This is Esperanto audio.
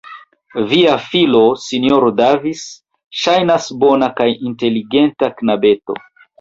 Via filo, Sinjoro Davis, ŝajnas bona kaj inteligenta knabeto.